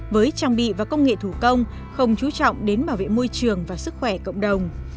với trang bị và công nghệ thủ công không chú trọng đến bảo vệ môi trường và sức khỏe cộng đồng